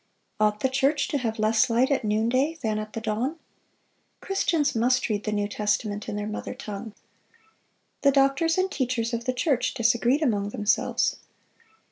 Ought the church to have less light at noonday than at the dawn?... Christians must read the New Testament in their mother tongue." The doctors and teachers of the church disagreed among themselves.